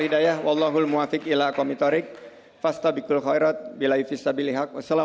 demikian terima kasih